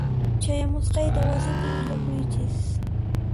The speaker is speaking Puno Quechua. Chayamusqayta wasipi willakuychis.